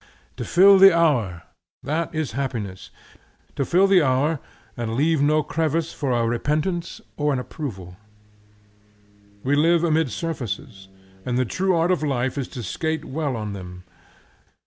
To fill the hour, that is happiness; to fill the hour and leave no crevice for a repentance or an approval. We live amid surfaces, and the true art of life is to skate well on them.